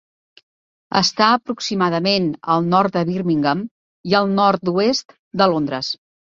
Està aproximadament al nord de Birmingham i al nord-oest de Londres.